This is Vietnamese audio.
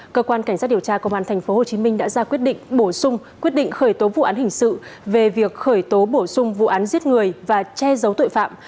cơ quan cảnh sát điều tra công an tp hcm đã ra quyết định bổ sung quyết định khởi tố vụ án hình sự về việc khởi tố bổ sung vụ án giết người và che giấu tội phạm